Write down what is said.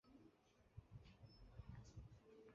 参加了中央苏区历次反围剿战争和长征。